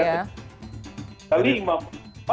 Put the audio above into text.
jadi belum bisa ya